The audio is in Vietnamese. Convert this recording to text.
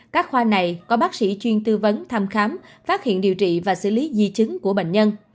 các khoa này có bác sĩ chuyên tư vấn thăm khám phát hiện điều trị và xử lý di chứng của bệnh nhân